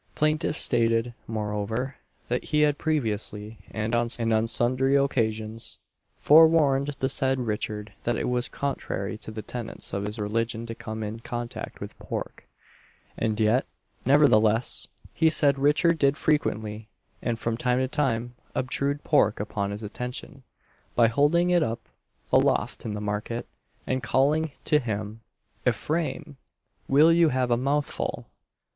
Plaintiff stated, moreover, that he had previously, and on sundry occasions, forewarned the said Richard that it was contrary to the tenets of his religion to come in contact with pork; and yet, nevertheless, the said Richard did frequently, and from time to time, obtrude pork upon his attention, by holding it up aloft in the market, and calling to him "Ephraim! will you have a mouthful?"